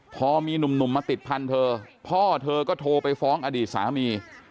พอมีหนุ่มมาติดพันธุ์เธอพ่อเธอก็โทรไปฟ้องอดีตสามี